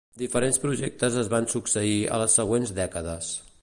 Diferents projectes es van succeir a les següents dècades.